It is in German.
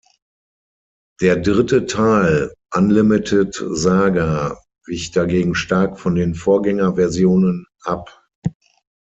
Der dritte Teil, Unlimited Saga, wich dagegen stark von den Vorgängerversionen ab.